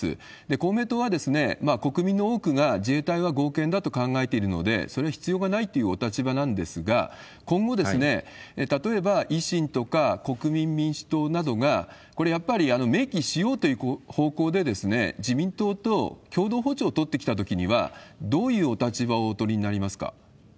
公明党は国民の多くが自衛隊は合憲だと考えているので、それは必要ないというお立場なんですが、今後、例えば維新とか国民民主党などが、これ、やっぱり明記しようという方向で自民党と共同歩調を取ってきたときには、どういうお立場をお取りになりますか？